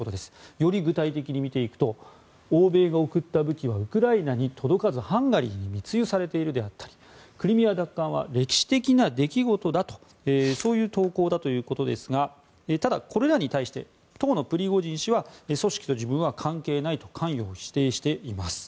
より具体的に見ていくと欧米が送った武器はウクライナに届かずハンガリーに密輸されているであったりクリミア奪還は歴史的な出来事だとそういう投稿だということですがただ、これらに対して当のプリゴジン氏は組織と自分は関係ないと関与を否定しています。